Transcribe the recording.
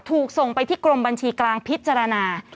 ถูกส่งไปที่กรมบัญชีกลางพิจารณา